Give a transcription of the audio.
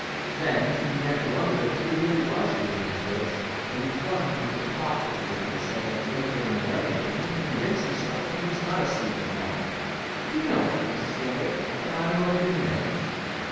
Then he began to wonder if he was really losing his wits, and he plunged into talk with the woman, saying anything and everything to convince himself that he was not asleep or mad. 'Do you know, Mrs. Yeander, that I am going to be married?'